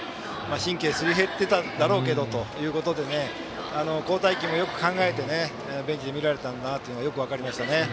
神経が磨り減っていただろうけどということで交代機もよく考えてベンチで見られていたんだなと思いましたね。